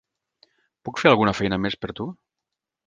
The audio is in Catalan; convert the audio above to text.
Puc fer alguna feina més per tu?